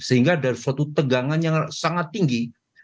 sehingga dari suatu tegangan yang sangat tinggi